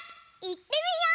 いってみよう！